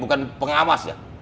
bukan pengawas ya